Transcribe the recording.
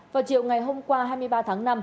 vào chiều ngày hôm qua hai mươi ba tháng năm